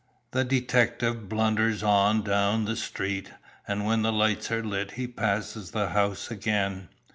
The detective blunders on down the street, and, when the lamps are lit he passes the house again.